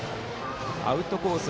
アウトコース